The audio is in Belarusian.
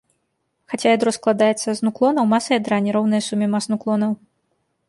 Хаця ядро складаецца з нуклонаў, маса ядра не роўная суме мас нуклонаў.